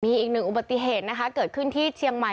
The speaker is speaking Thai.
อีกหนึ่งอุบัติเหตุนะคะเกิดขึ้นที่เชียงใหม่